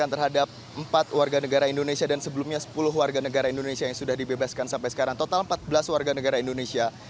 terima kasih melaporkan langsung dari bandara halim pranakusua